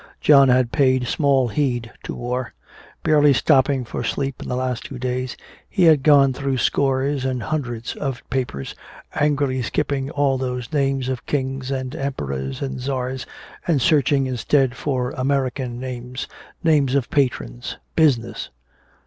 John had paid small heed to war. Barely stopping for sleep in the last two days he had gone through scores and hundreds of papers, angrily skipping all those names of kings and emperors and czars, and searching instead for American names, names of patrons business!